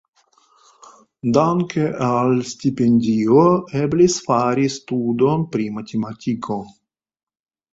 Danke al stipendio eblis fari studon pri matetmatiko.